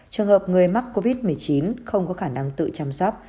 trường hợp người mắc covid một mươi chín không có khả năng tự chăm sóc